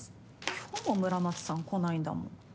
今日も村松さん来ないんだもん。